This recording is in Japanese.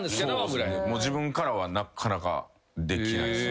自分からはなかなかできないっすね。